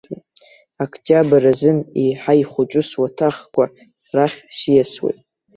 Октиабр азын еиҳа ихәыҷу суаҭахқәа рахь сиасуеит.